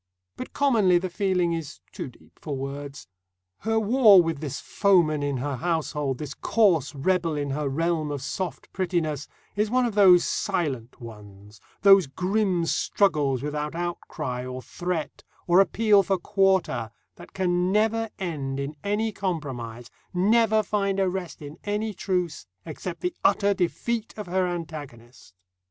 But commonly the feeling is too deep for words. Her war with this foeman in her household, this coarse rebel in her realm of soft prettiness, is one of those silent ones, those grim struggles without outcry or threat or appeal for quarter that can never end in any compromise, never find a rest in any truce, except the utter defeat of her antagonist.